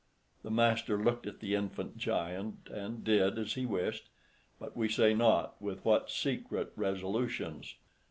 The master looked at the infant giant, and did as he wished, but we say not with what secret resolutions.